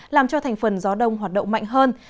làm cho thành phần gió đông hoạt động mạnh hơn